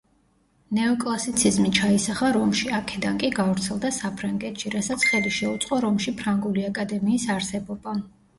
ნეოკლასიციზმი ჩაისახა რომში, აქედან კი გავრცელდა საფრანგეთში, რასაც ხელი შეუწყო რომში ფრანგული აკადემიის არსებობამ.